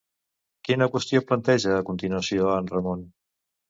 Quina qüestió planteja a continuació a en Ramon?